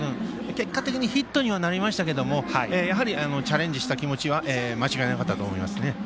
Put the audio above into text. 結果的にヒットになりましたがチャレンジした気持ちは間違いなかったと思いますね。